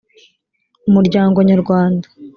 umuryango nyarwanda